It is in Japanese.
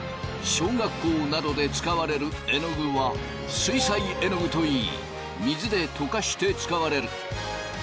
小学校などで使われるえのぐは水彩えのぐといい水で溶かして使われる。